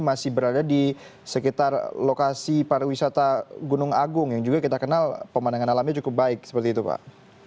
masih berada di sekitar lokasi pariwisata gunung agung yang juga kita kenal pemandangan alamnya cukup baik seperti itu pak